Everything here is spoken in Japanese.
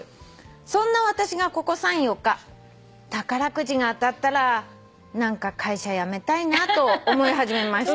「そんな私がここ３４日宝くじが当たったら何か会社辞めたいなと思い始めました」